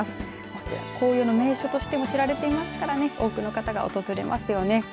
こちら、紅葉の名所としても知られていますからね多くの方が訪れますよね。